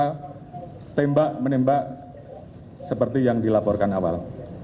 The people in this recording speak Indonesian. tidak ditemukan fakta tembak menembak seperti yang dilaporkan awal